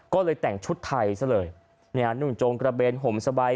ก็เลยแต่งชุดไทยซะเลยนุ่นจงกระเบนห่มสบาย